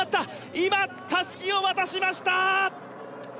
今、たすきを渡しました。